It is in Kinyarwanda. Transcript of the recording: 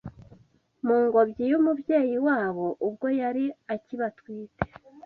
mu ngobyi y’umubyeyi wabo ubwo yari akibatwite